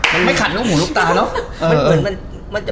มันไม่ขัดลูกหูลูกตาเนอะ